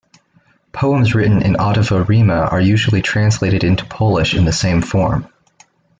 Poems written in ottava rima are usually translated into Polish in the same form.